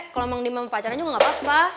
kalau mau nge demand sama pacarannya gak apa apa